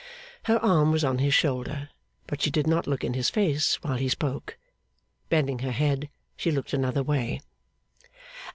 Her arm was on his shoulder, but she did not look in his face while he spoke. Bending her head she looked another way.